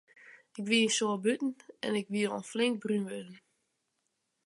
Ik wie in soad bûten en ik wie al flink brún wurden.